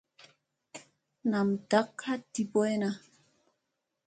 Nam ndak a di boyna.